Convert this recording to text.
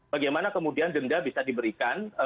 bagaimana kemudian denda bisa diberikan